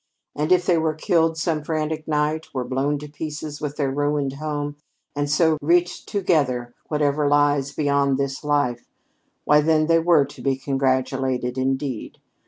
And if they were killed some frantic night, were blown to pieces with their ruined home, and so reached together whatever lies beyond this life, why, then, they were to be congratulated, indeed!